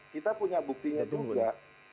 kita punya buktinya juga